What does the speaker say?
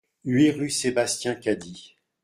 huit rue Sébastien Cady